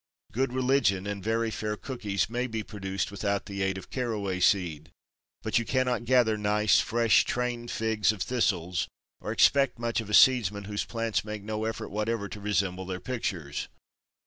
Good religion and very fair cookies may be produced without the aid of caraway seed, but you cannot gather nice, fresh train figs of thistles or expect much of a seedsman whose plants make no effort whatever to resemble their pictures.